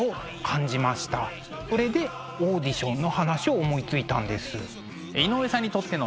それでオーディションの話を思いついたんです。